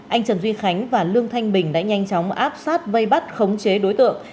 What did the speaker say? anh trần duy khánh và lương thanh bình đã nhanh chóng áp sát vây bắt khống chế đối tượng